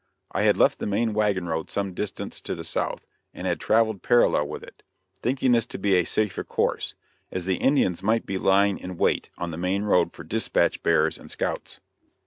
I had left the main wagon road some distance to the south, and had traveled parallel with it, thinking this to be a safer course, as the Indians might be lying in wait on the main road for dispatch bearers and scouts.